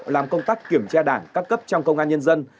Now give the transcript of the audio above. làm công tác kiểm tra đảng các cấp trong công an nhân dân